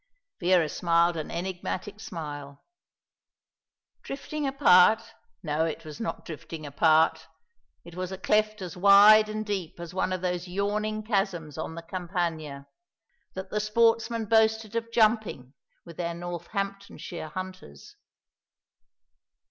Vera smiled an enigmatic smile. Drifting apart! No, it was not drifting apart. It was a cleft as wide and deep as one of those yawning chasms on the Campagna, that the sportsmen boasted of jumping with their Northamptonshire hunters.